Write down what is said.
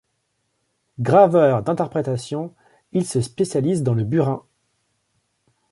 Graveur d'interprétation, il se spécialise dans le burin.